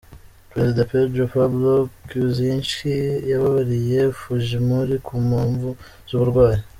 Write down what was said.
Perezida Pedro Pablo Kuczynski yababariye Fujimori ku mpamvu z'uburwayi.